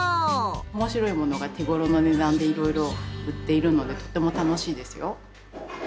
面白いモノが手ごろな値段でいろいろ売っているのでとっても楽しいですよ。